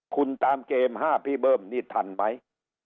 คุณตามเกม๕พี่เบิ้มนี่ทันไหม